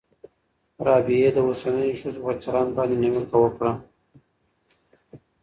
رابعې د اوسنیو ښځو په چلند باندې نیوکه وکړه.